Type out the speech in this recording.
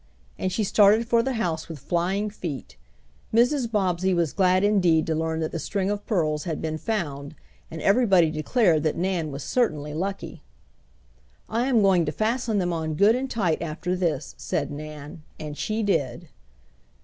And she started for the house with flying feet. Mrs. Bobbsey was glad indeed to learn that the strings of pearls had been found, and everybody declared that Nan was certainly lucky. "I am going to fasten them on good and tight after this," said Nan, and she did.